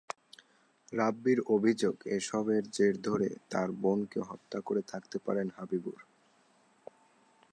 রাব্বীর অভিযোগ, এসবের জের ধরে তাঁর বোনকে হত্যা করে থাকতে পারেন হাবিবুর।